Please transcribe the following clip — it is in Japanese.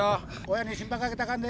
親に心配かけたらあかんで。